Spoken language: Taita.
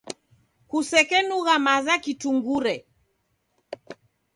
Kusekenugha maza kitungure.